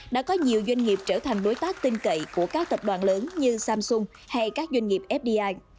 đã có nhiều doanh nghiệp trở thành đối tác tinh cậy của các tập đoàn lớn như samsung hay các doanh nghiệp fdi